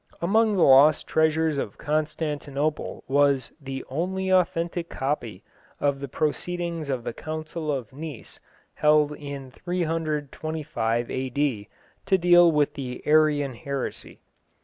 Among the lost treasures of Constantinople was "the only authentic copy" of the proceedings of the Council of Nice, held in 325 A.D. to deal with the Arian heresy.